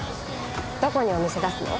どこにお店出すの？